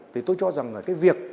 thì tôi cho rằng là cái việc